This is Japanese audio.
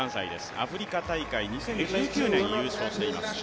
アフリカ大会２０１９年、優勝しています。